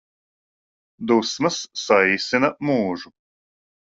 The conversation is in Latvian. Dusmas saīsina mūžu